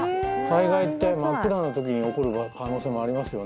災害って真っ暗な時に起こる可能性もありますよね。